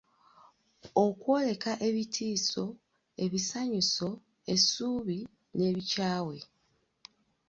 Okwoleka ebitiiso, ebisanyuso, essuubi n’ebikyawe.